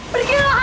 pergi lu hantu